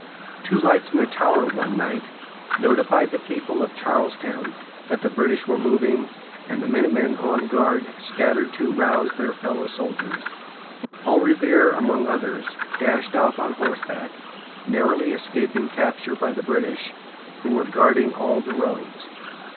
[Illustration: Paul Revere's Ride.] Two lights in the tower, one night, notified the people of Charlestown that the British were moving, and the minutemen on guard scattered to rouse their fellow soldiers. Paul Re vere´, among others, dashed off on horseback, narrowly escaping capture by the British, who were guarding all the roads.